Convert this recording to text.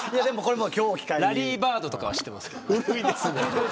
ラリー・バードとかは知ってます。